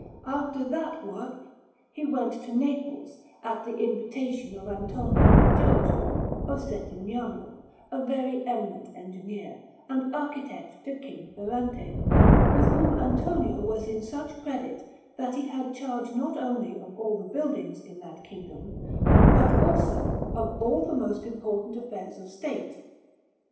After that work, he went to Naples at the invitation of Antonio di Giorgio of Settignano, a very eminent engineer, and architect to King Ferrante, with whom Antonio was in such credit, that he had charge not only of all the buildings in that kingdom, but also of all the most important affairs of State.